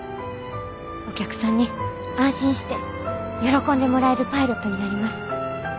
お客さんに安心して喜んでもらえるパイロットになります。